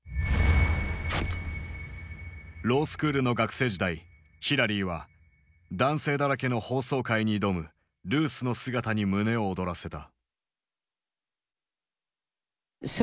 ロースクールの学生時代ヒラリーは男性だらけの法曹界に挑むルースの姿に胸を躍らせた。